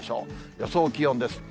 予想気温です。